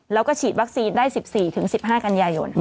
แล้วก็ฉีดวัคซีนได้๑๔๑๕กันยายน